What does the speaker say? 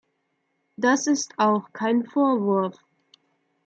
Das ist auch kein Vorwurf.